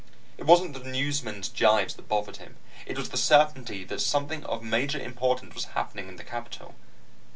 It wasn't the newsmen's jibes that bothered him; it was the certainty that something of major importance was happening in the capitol.